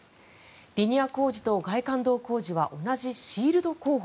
リニア工事と外環道工事は同じシールド工法。